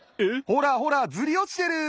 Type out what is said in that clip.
ほらほらずりおちてる。